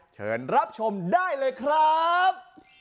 เชิญรับชมได้เลยครับ